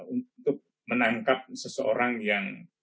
untuk menangkap seseorang yang